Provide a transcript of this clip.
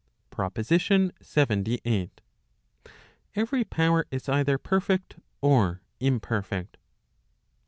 PROPOSITION LX XVIII. Every power is either perfect or imperfect.